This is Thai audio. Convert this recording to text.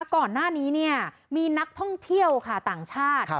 อายุปรักษาก่อนหน้านี้นี่มีนักท่องเที่ยวค่ะต่างชาติ